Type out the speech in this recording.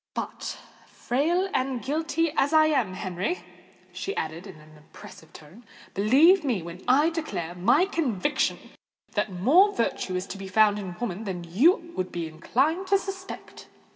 But, frail and guilty as I am, Henry," she added in an impressive tone, "believe me when I declare my conviction that more virtue is to be found in woman than you would be inclined to suspect."